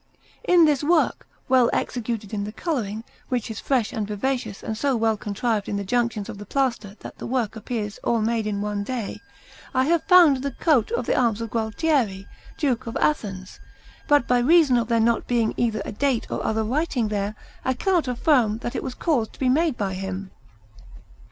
In this work, well executed in the colouring, which is fresh and vivacious and so well contrived in the junctions of the plaster that the work appears all made in one day, I have found the coat of arms of Gualtieri, Duke of Athens; but by reason of there not being either a date or other writing there, I cannot affirm that it was caused to be made by him.